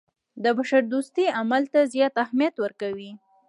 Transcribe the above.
د بشردوستۍ عمل ته زیات اهمیت ورکوي.